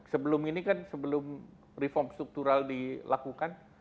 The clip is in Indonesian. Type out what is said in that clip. sebelum ini kan sebelum reform struktural dilakukan